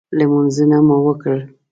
لمنځونه مو وکړل.